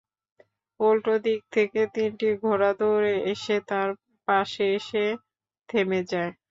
উল্টো দিক থেকে তিনটি ঘোড়া দৌড়ে এসে তার পাশে এসে থেমে যায়।